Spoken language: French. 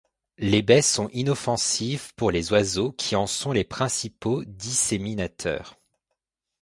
Les baies sont inoffensives pour les oiseaux qui en sont les principaux disséminateurs.